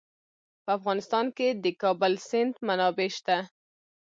په افغانستان کې د د کابل سیند منابع شته.